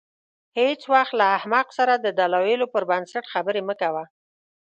هېڅ وخت له احمق سره د دلایلو پر بنسټ خبرې مه کوه.